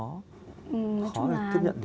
nói chung là